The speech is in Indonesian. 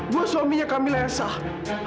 gua suaminya kamila esah